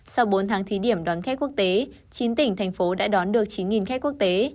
sau bốn tháng thí điểm đón khách quốc tế chín tỉnh thành phố đã đón được chín khách quốc tế